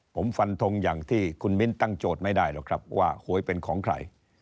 ผมฟันทงอย่างที่คุณมิ้นตั้งโจทย์ไม่ได้หรอกครับว่าหวยเป็นของใคร